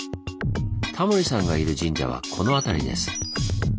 タモリさんがいる神社はこの辺りです。